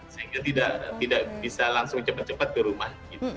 sehingga tidak bisa langsung cepat cepat ke rumah